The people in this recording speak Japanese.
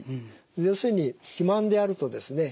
要するに肥満であるとですね